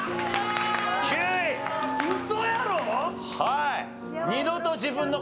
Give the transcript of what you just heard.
ウソやろ！？